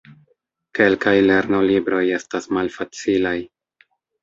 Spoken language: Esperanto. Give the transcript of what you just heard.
Kelkaj lernolibroj estas malfacilaj.